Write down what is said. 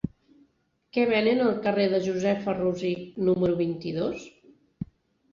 Què venen al carrer de Josefa Rosich número vint-i-dos?